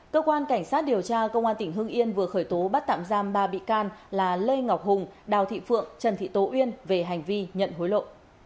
cơ quan cảnh sát điều tra công an tỉnh hưng yên vừa khởi tố bắt tạm giam ba bị can là lê ngọc hùng đào thị phượng trần thị tố uyên về hành vi nhận hối lộ